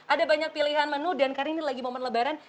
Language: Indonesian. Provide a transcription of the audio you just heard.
ada banyak pilihan menu dan karena ini lagi momen lebaran